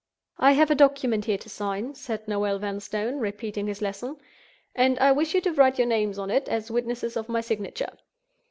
"I have a document here to sign," said Noel Vanstone, repeating his lesson; "and I wish you to write your names on it, as witnesses of my signature."